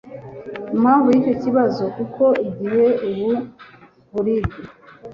impamvu y’icyo kibazo, kuko igihe ubu buribwe